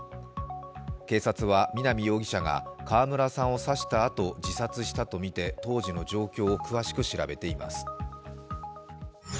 警察は南容疑者が川村さんを刺したあと自殺したとみて、当時の状況を詳しく調べています。